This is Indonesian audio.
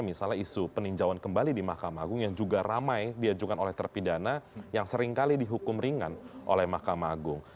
misalnya isu peninjauan kembali di mahkamah agung yang juga ramai diajukan oleh terpidana yang seringkali dihukum ringan oleh mahkamah agung